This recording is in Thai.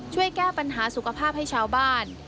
ช่วยแก้ปัญหาสุขภาพให้ชาวบ้าน